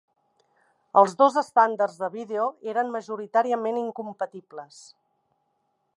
Els dos estàndards de vídeo eren majoritàriament incompatibles.